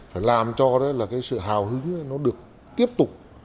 phải làm cho sự hào hứng được tiếp tục